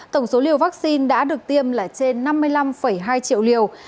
tổng số liều vaccine đã được tiêm là trên năm mươi năm hai triệu liều